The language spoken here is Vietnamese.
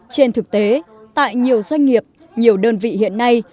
trên thực tế tại nhiều doanh nghiệp nhiều đơn vị hiện nay